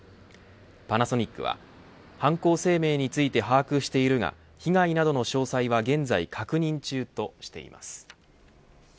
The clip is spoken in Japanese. パナソニックは犯行声明について把握しているが被害等の詳細は現在確認中としています。